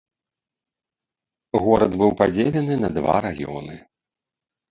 Горад быў падзелены на два раёны.